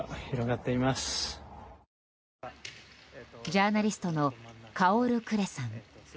ジャーナリストのカオル・クレさん。